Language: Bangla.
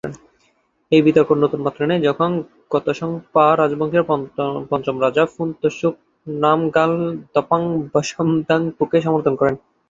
এই বিতর্ক নতুন মাত্রা নেয় যখন গ্ত্সাং-পা রাজবংশের পঞ্চম রাজা ফুন-ত্শোগ্স-র্নাম-র্গ্যাল দ্পাগ-ব্সাম-দ্বাং-পোকে সমর্থন করেন।